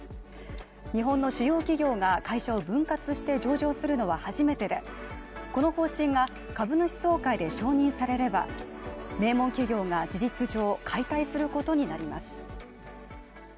日本の主要企業が会社を分割して上場するのは初めてで、この方針が株主総会で承認されれば、名門企業が事実上解体することになります